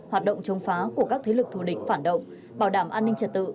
hoạt động chống phá của các thế lực thù địch phản động bảo đảm an ninh trật tự